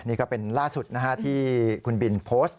นี่ก็เป็นล่าสุดที่คุณบินโพสต์